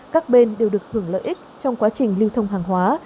các bên đều được hưởng lợi ích trong quá trình lưu thông hàng hóa